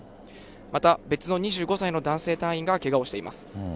また、別の２５歳の男性隊員がけがをしています。